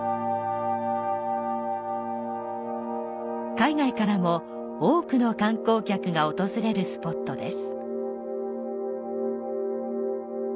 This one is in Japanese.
海外からも多くの観光客が訪れるスポットです。